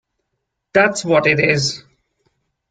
That’s what it is!